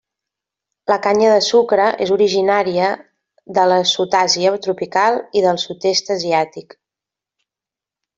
La canya de sucre és originària de la Sud Àsia tropical i del Sud-est asiàtic.